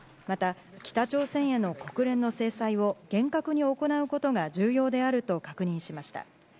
また、北朝鮮への国連の制裁を厳格に行うことが重要であると確認しました。